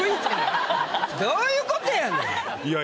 どういうことやねん！